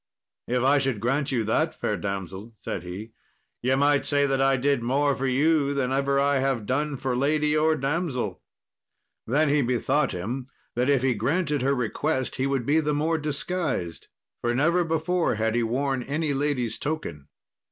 "If I should grant you that, fair damsel," said he, "ye might say that I did more for you than ever I have done for lady or damsel." Then he bethought him that if he granted her request he would be the more disguised, for never before had he worn any lady's token.